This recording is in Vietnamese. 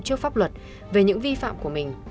trước pháp luật về những vi phạm của mình